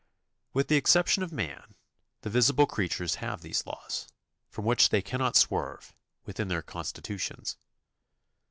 With the exception of man, the visible creatures have these laws, from which they cannot swerve, within their constitutions.